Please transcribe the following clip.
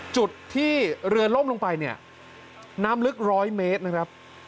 จุดที่เรือล่มลงไปเนี่ยน้ำลึก๑๐๐เมตรนะครับ